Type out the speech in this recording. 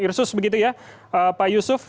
ir sus begitu ya pak yusuf